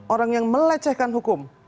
orang yang melecehkan hukum